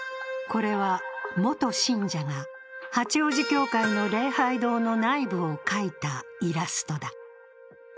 これは元信者が、八王子教会の礼拝堂の内部を描いたイラストだ。